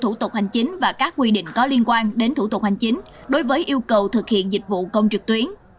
thủ tục hành chính và các quy định có liên quan đến thủ tục hành chính đối với yêu cầu thực hiện dịch vụ công trực tuyến